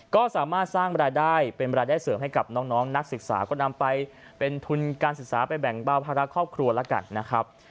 ก็สามารถสร้างรายได้เป็นรายได้เสริมให้กับน้องนักศึกษาก็นำไปเป็นทุนการศึกษาไปแบ่งเบาภาระครอบครัวแล้วกันนะครับ